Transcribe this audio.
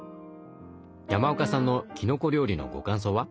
山岡さんのきのこ料理のご感想は？